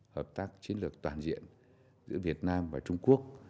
hợp tác chiến lược toàn diện giữa việt nam và trung quốc